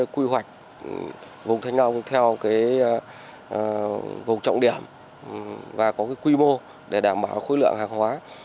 quy hoạch vùng thanh long theo vùng trọng điểm và có quy mô để đảm bảo khối lượng hàng hóa